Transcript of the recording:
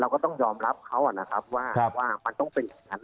ก็ต้องยอมรับเขานะครับว่ามันต้องเป็นอย่างนั้น